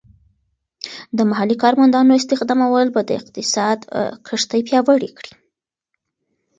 د محلی کارمندانو استخدامول به د اقتصاد کښتۍ پیاوړې کړي.